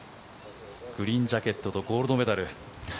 グリーンジャケットとゴールドメダル。